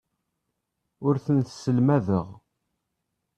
Ur tent-sselmadeɣ.